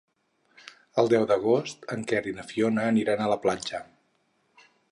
El deu d'agost en Quer i na Fiona aniran a la platja.